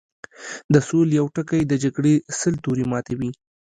د سولې يو ټکی د جګړې سل تورې ماتوي